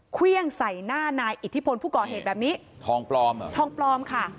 เครื่องใส่หน้านายอิทธิพลผู้ก่อเหตุแบบนี้ทองปลอมเหรอทองปลอมค่ะ